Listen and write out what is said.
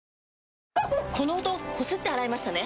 この音こすって洗いましたね？